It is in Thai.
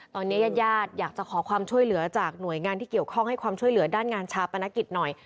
ตอนนี้ญาติญาติอยากจะขอความช่วยเหลือจากหน่วยงานที่เกี่ยวข้องให้ความช่วยเหลือด้านงานชาปนกิจหน่อย